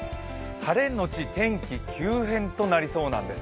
晴れのち天気急変となりそうなんです。